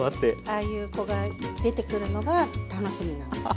ああいう子が出てくるのが楽しみなんです。